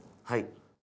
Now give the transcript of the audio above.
はい。